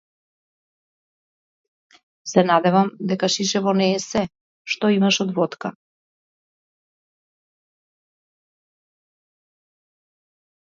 Се надевам дека шишево не е сѐ што имаш од водка.